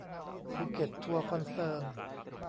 ภูเก็ตทัวร์คอนเซิร์น